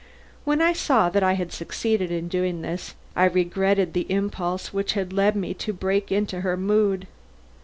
When I saw that I had succeeded in doing this, I regretted the impulse which had led me to break into her mood.